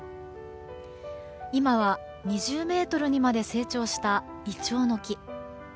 今は２０ｍにまで成長したイチョウの木。